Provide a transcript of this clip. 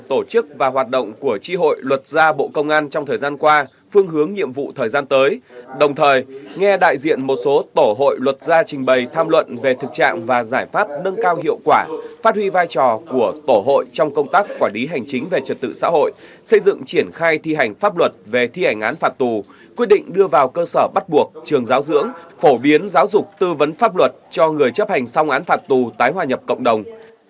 tổ chức và hoạt động của tri hội luật gia bộ công an trong thời gian qua phương hướng nhiệm vụ thời gian tới đồng thời nghe đại diện một số tổ hội luật gia trình bày tham luận về thực trạng và giải pháp nâng cao hiệu quả phát huy vai trò của tổ hội trong công tác quả lý hành chính về trật tự xã hội xây dựng triển khai thi hành pháp luật về thi hành án phạt tù quyết định đưa vào cơ sở bắt buộc trường giáo dưỡng phổ biến giáo dục tư vấn pháp luật cho người chấp hành song án phạt tù tái hòa nhập cộng đồng